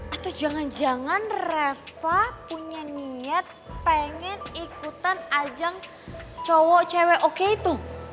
atau jangan jangan reva punya niat pengen ikutan ajang cowok oke itu